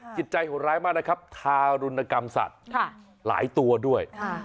จิตใจโหดร้ายมากนะครับทารุณกรรมสัตว์หลายตัวด้วย